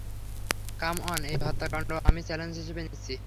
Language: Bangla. কাম অন এই হত্যাকাণ্ড আমি চ্যালেঞ্জ হিসেবে নিচ্ছি।